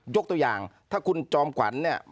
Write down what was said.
ยกตัวอย่างถ้าคุณจอมขวัญเนี่ย